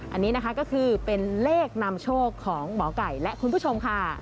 อันนี้นะคะก็คือเป็นเลขนำโชคของหมอไก่และคุณผู้ชมค่ะ